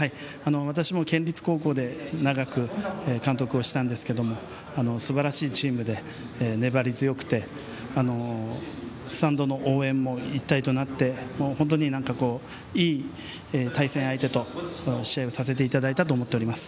私も県立高校で長く監督をしたんですけどすばらしいチームで、粘り強くてスタンドの応援も一体となって本当にいい対戦相手と試合をさせていただいたと思っております。